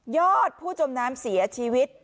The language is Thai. อดผู้จมน้ำเสียชีวิต